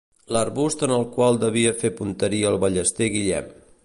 L'arbust en el qual devia fer punteria el ballester Guillem.